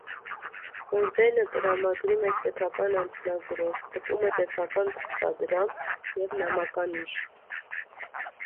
Օրդենը տրամադրում է սեփական անձնագրեր, տպում է սեփական թղթադրամ և նամականիշ։